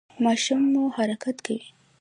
ماشوم مو حرکت کوي؟